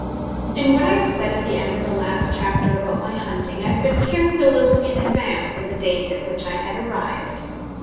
In what I have said at the end of the last chapter about my hunting, I have been carried a little in advance of the date at which I had arrived.